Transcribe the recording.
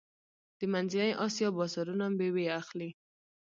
د منځنۍ اسیا بازارونه میوې اخلي.